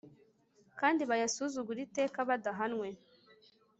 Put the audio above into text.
kandi bayasuzugure iteka badahanwe